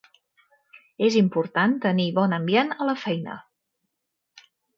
És important tenir bon ambient a la feina.